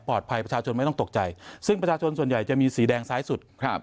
ประชาชนไม่ต้องตกใจซึ่งประชาชนส่วนใหญ่จะมีสีแดงซ้ายสุดครับ